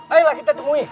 ayolah kita temui